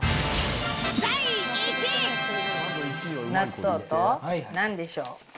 納豆となんでしょう？